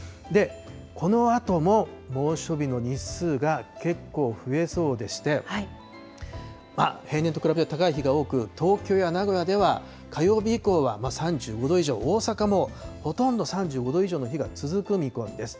このあとも猛暑日の日数が結構増えそうでして、平年と比べて高い日が多く、東京や名古屋では、火曜日以降は３５度以上、大阪もほとんど３５度以上の日が続く見込みです。